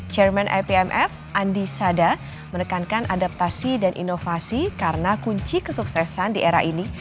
chairman ipmf andi sada menekankan adaptasi dan inovasi karena kunci kesuksesan di era ini